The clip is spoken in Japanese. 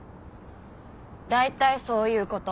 大体そういう事。